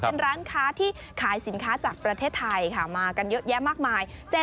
เป็นร้านค้าที่ขายสินค้าจากประเทศไทยมากมาย